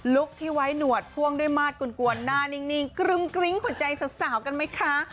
คที่ไว้หนวดพ่วงด้วยมาสกลวนหน้านิ่งกรึ้งกริ้งหัวใจสาวกันไหมคะ